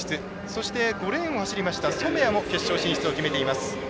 そして５レーンを走りました染谷も決勝進出を決めています。